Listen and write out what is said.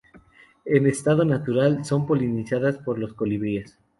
En estado natural son polinizadas por los colibríes.